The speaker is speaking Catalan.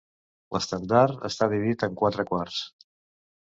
L'estendard està dividit en quatre quarts.